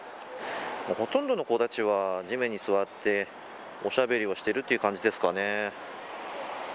ほとんどの子たちは地面に座っておしゃべりをしているという感じですかね。